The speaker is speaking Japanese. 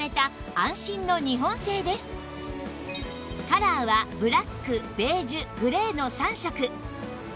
カラーはブラックベージュグレーの３色